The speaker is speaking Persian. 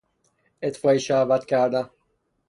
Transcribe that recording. اطفای شهوت کردن